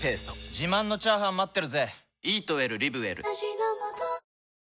自慢のチャーハン待ってるぜ！